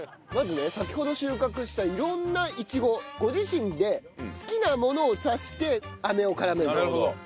まずね先ほど収穫した色んなイチゴご自身で好きなものを刺して飴を絡めると。